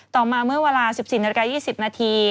ต่อมาเมื่อเวลา๑๔นาฬิกา๒๐นาที